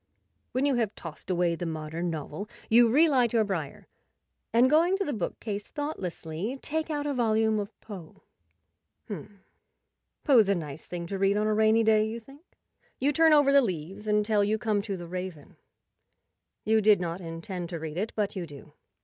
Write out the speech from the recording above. When you have tossed away the modern novel you re light your briar, and, going to the bookcase thoughtlessly, take out a volume of Poe. " H'm, Poe's a nice thing to read on a rainy day," you think. You turn over the leaves until you come to "The Raven." You did not intend to read it, but you do.